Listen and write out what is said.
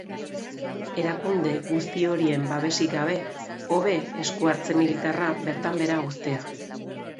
Erakunde guzti horien babesik gabe, hobe eskuhartze militarra bertan behar uztea.